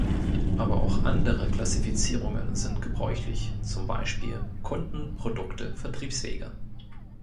Aber auch andere Klassifizierungen sind gebräuchlich, zum Beispiel Kunden, Produkte, Vertriebswege.